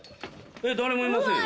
誰もいませんよ。